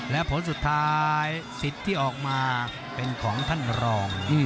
และผลสุดท้ายสิทธิ์ที่ออกมาเป็นของท่านรอง